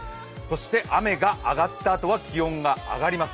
雨が上がったあとは気温が上がります。